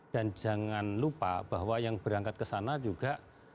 dan jangan lupa bahwa yang berangkat ke sana juga